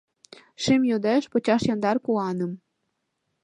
Шӱм йодеш почаш яндар куаным.